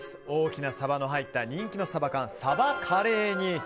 大きなサバの入った人気のサバ缶さばカレー煮。